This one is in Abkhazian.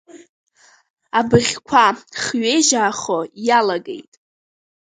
Абыӷьқәа хҩежьаахо иалагеит.